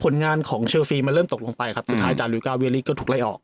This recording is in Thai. ผลงานของเชลซีมันเริ่มตกลงไปครับสุดท้ายจารุยกาเวียลิก็ถูกไล่ออก